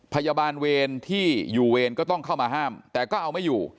พยาบาลเวรที่อยู่เวรก็ต้องเข้ามาห้ามแต่ก็เอาไม่อยู่